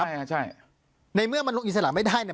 อ่าใช่ในเมื่อมันลงอิสระไม่ได้เนี่ย